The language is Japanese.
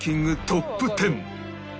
トップ１０